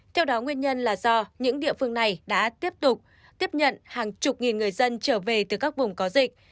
theo đó nguyên nhân là do những địa phương này đã tiếp tục tiếp nhận hàng chục nghìn người dân trở về từ các vùng có dịch